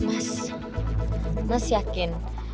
mas mas yakin